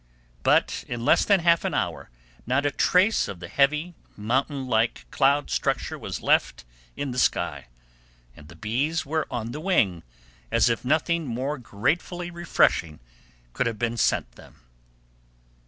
But in less than half an hour not a trace of the heavy, mountain like cloud structure was left in the sky, and the bees were on the wing, as if nothing more gratefully refreshing could have been sent them.